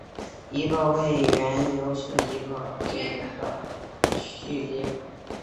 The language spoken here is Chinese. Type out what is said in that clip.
一个位元流是一个位元的序列。